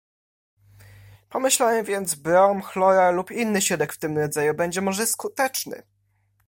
"Pomyślałem więc: brom, chloral lub inny środek w tym rodzaju będzie może skuteczny."